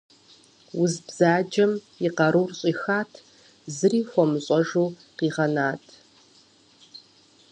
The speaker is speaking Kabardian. Уз бзаджэм и къарур щӀихат, зыри хуэмыщӀэжу къигъэнат.